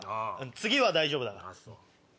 次は大丈夫だから。